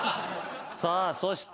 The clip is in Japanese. さあそして。